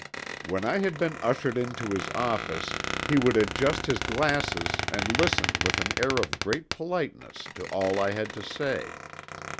"When I had been ushered into his office he would adjust his glasses and listen with an air of great politeness to all I had to say.